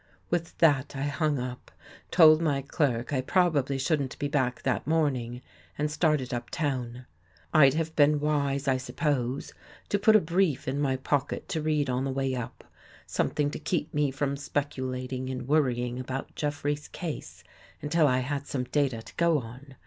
With that I hung up, told my clerk I probably shouldn't be back that morning and started up town. I'd have been wise, I suppose, to put a brief in my pocket to read on the way up — something to keep me from speculating and worrying about Jeffrey's case until I had some data to go on.